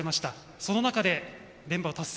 その中で連覇を達成。